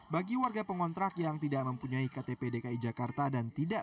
bagi warga pengontrak yang tidak mempunyai ktp dki jakarta dan tidak